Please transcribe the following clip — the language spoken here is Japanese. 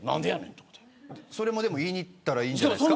それも言いに行ったらいいんじゃないですか。